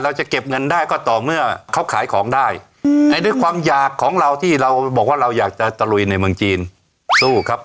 จะเก็บเงินได้ก็ต่อเมื่อเขาขายของได้ด้วยความอยากของเราที่เราบอกว่าเราอยากจะตะลุยในเมืองจีนสู้ครับ